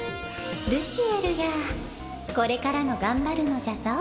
ルシエルやこれからも頑張るのじゃぞ